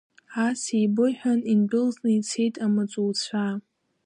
Ас еибыҳәан индәылҵны ицеит амаҵуцәа.